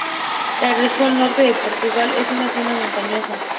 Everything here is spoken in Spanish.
La Región Norte de Portugal es una zona montañosa.